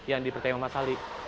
yang dipertemang mas ali